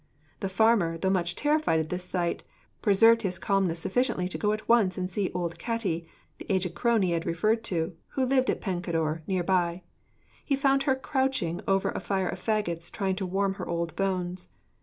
The farmer, though much terrified at this sight, preserved his calmness sufficiently to go at once and see old Catti, the aged crone he had referred to, who lived at Pencader, near by. He found her crouching over a fire of faggots, trying to warm her old bones.